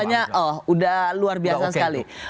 gak luar biasa sekali